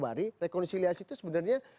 tadi rekonsiliasi itu sebenarnya